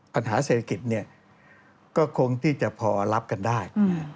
ปัญหาเศรษฐกิจก็คงที่จะพอรับกันได้